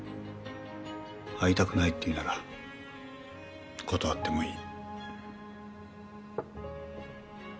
会いたくないっていうなら断ってもいい。